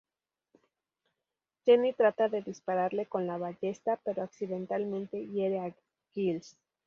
Jenny trata de dispararle con la ballesta, pero accidentalmente hiere a Giles.